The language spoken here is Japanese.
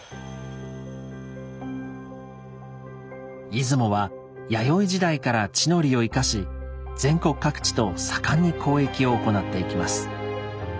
出雲は弥生時代から地の利を生かし全国各地と盛んに交易を行っていきます。